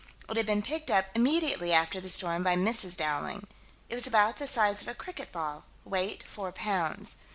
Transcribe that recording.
It had been picked up "immediately" after the storm by Mrs. Dowling. It was about the size of a cricket ball: weight four pounds.